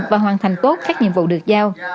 và hoàn thành tốt các nhiệm vụ được giao